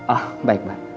oh baik pak